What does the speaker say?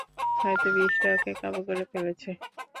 হয়তো বিষটা ওকে কাবু করে ফেলেছে!